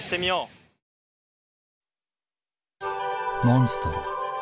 モンストロ。